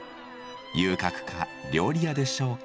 遊郭か料理屋でしょうか。